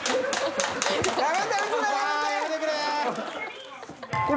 やめてくれ！